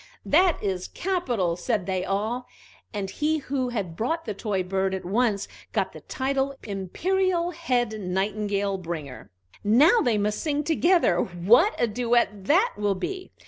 "That is capital!" said they all, and he who had brought the toy bird at once got the title Imperial Head Nightingale Bringer. "Now they must sing together: what a duet that will be!"